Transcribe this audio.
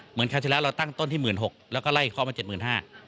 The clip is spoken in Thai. เหมือนค่าเที่ยวแล้วเราตั้งต้นที่๑๖๐๐๐บาทแล้วก็ไล่เคาะมา๗๕๐๐๐บาท